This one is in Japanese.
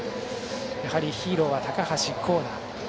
やはり、ヒーローは高橋光成！